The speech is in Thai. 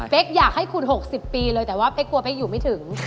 อยากให้คุณ๖๐ปีเลยแต่ว่าเป๊กกลัวเป๊กอยู่ไม่ถึง